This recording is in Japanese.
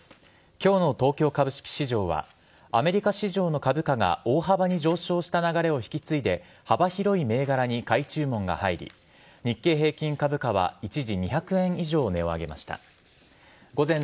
今日の東京株式市場はアメリカ市場の株価が大幅に上昇した流れを引き継いで幅広い銘柄に買い注文が入り日経平均株価は一時２００円以上値を上げました。